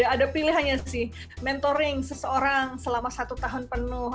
ada pilihannya sih mentoring seseorang selama satu tahun penuh